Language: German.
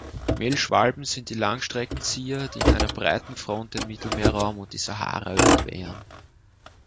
Mehlschwalben sind Langstreckenzieher, die in einer breiten Front den Mittelmeerraum und die Sahara überqueren.